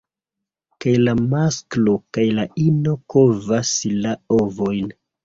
Kaj la masklo kaj la ino kovas la ovojn.